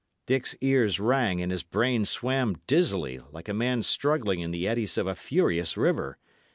Dick's ears rang and his brain swam dizzily, like a man struggling in the eddies of a furious river.